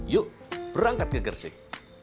yuk berangkat ke gersik